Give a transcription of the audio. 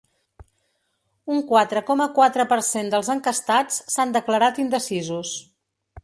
Un quatre coma quatre per cent dels enquestats s’han declarat indecisos.